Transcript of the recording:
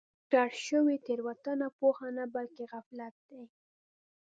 تکرار شوې تېروتنه پوهه نه بلکې غفلت دی.